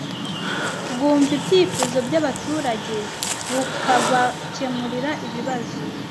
Bwumva ibyifuzo by’abaturage, bukabakemurira ibibazo